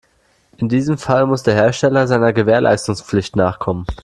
In diesem Fall muss der Hersteller seiner Gewährleistungspflicht nachkommen.